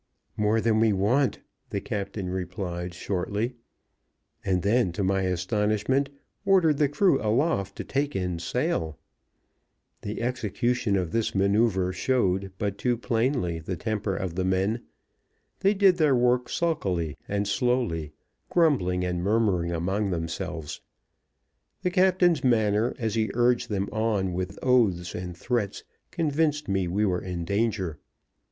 "More than we want," the captain replied, shortly; and then, to my astonishment, ordered the crew aloft to take in sail. The execution of this maneuver showed but too plainly the temper of the men; they did their work sulkily and slowly, grumbling and murmuring among themselves. The captain's manner, as he urged them on with oaths and threats, convinced me we were in danger.